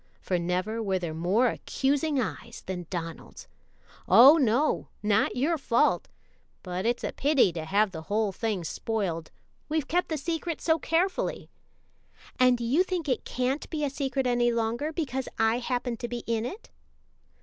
for never were there more accusing eyes than Donald's. "Oh, no; not your fault, but it's a pity to have the whole thing spoiled. We've kept the secret so carefully." "And do you think it can't be a secret any longer because I happen to be in it?"